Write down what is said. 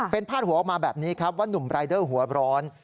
เป็นพาดหัวออกมาแบบนี้ครับว่านุ่มรายเดอร์หัวร้อน